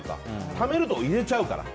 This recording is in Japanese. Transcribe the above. ためると入れちゃうから。